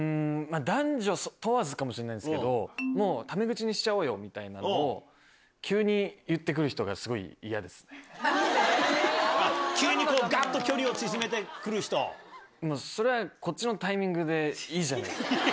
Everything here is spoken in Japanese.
男女問わずかもしれないですけど、もうタメ口にしちゃおうよみたいなのを、急に言ってくる人がすご急にこう、それは、こっちのタイミングでいいじゃないですか。